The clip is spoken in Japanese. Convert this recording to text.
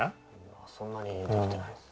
まあそんなにできてないです